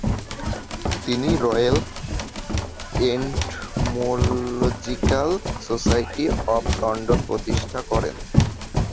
তিনি royal entomological society of London প্রতিষ্ঠা করেন।